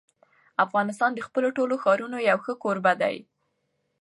افغانستان د خپلو ټولو ښارونو یو ښه کوربه دی.